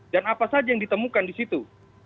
dan apa saja yang ditemukan di situ